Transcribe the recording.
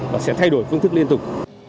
và sẽ thay đổi phương thức liên tục